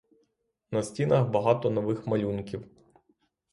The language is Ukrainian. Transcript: На стінах багато нових малюнків.